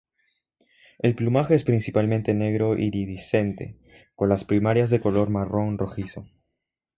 El plumaje es principalmente negro iridiscente con las primarias de color marrón rojizo.